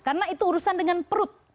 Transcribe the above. karena itu urusan dengan perut